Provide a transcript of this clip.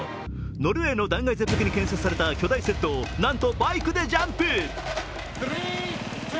ノルウェーの断崖絶壁に建設された巨大セットをなんとバイクでジャンプ。